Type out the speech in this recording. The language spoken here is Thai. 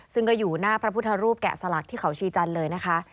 ซึ่งก็อยู่หน้าพระพุทธรูปแกะสลักที่เขาชีจันทร์เลยนะคะ